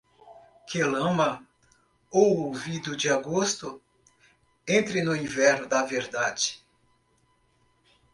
Que lama, ouvido de agosto, entre no inverno da verdade.